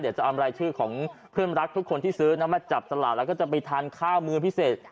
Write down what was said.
เดี๋ยวจะเอารายชื่อของเพื่อนรักทุกคนที่ซื้อนะมาจับตลาดแล้วก็จะไปทานข้าวมือพิเศษ